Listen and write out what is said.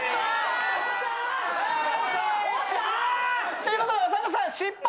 ということで長田さん失敗。